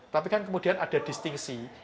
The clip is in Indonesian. tapi kan kemudian ada distingsi